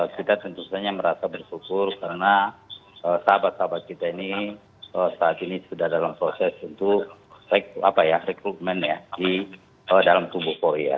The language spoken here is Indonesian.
kita tentu saja merasa bersyukur karena sahabat sahabat kita ini saat ini sudah dalam proses untuk rekrutmen ya di dalam tubuh polri ya